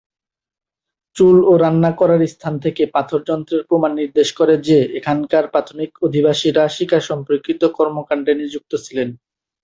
চুলা ও রান্না করার স্থান থেকে পাথর যন্ত্রের প্রমান নির্দেশ করে যে এখানকার প্রাথমিক অধিবাসীরা শিকার সম্পর্কিত কর্মকাণ্ডে নিযুক্ত ছিল।